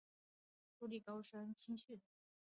杜利高出身于阿士东维拉青训。